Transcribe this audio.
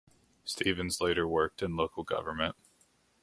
Stevens later worked in local government.